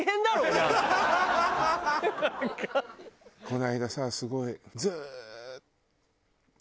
この間さすごい。